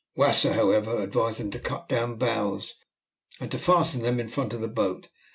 Wasser, however, advised them to cut down boughs, and to fasten them in front of the boat.